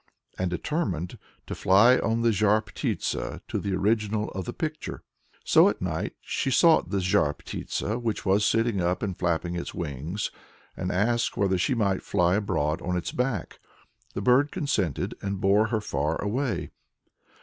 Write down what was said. and determined to fly on the Zhar Ptitsa to the original of the picture. So at night she sought the Zhar Ptitsa, which was sitting up and flapping its wings, and asked whether she might fly abroad on its back. The bird consented and bore her far away.